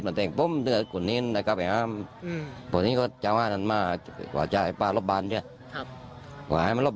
จริงไหมคะที่เขาอ้างว่าพี่ไม่เกี่ยวหรอก